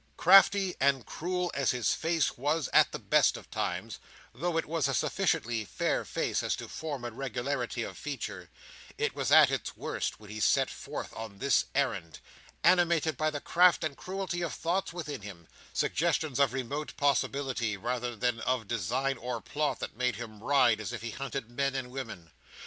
Crafty and cruel as his face was at the best of times, though it was a sufficiently fair face as to form and regularity of feature, it was at its worst when he set forth on this errand; animated by the craft and cruelty of thoughts within him, suggestions of remote possibility rather than of design or plot, that made him ride as if he hunted men and women.